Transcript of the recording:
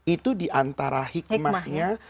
itu diantara hikmahnya